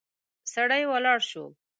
سړی ولاړ شو.